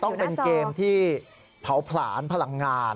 ต้องเป็นเกมที่เผาผลาญพลังงาน